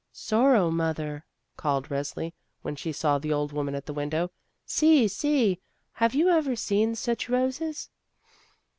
"Sorrow mother," called Resli, when she saw the old woman at the window, "see! see! Have you ever seen such roses?"